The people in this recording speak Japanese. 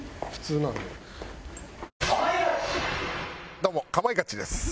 どうも『かまいガチ』です。